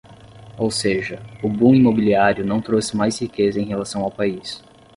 Ou seja, o boom imobiliário não trouxe mais riqueza em relação ao país.